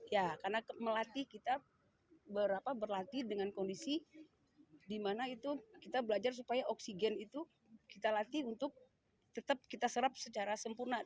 ya karena melatih kita berlatih dengan kondisi di mana itu kita belajar supaya oksigen itu kita latih untuk tetap kita serap secara sempurna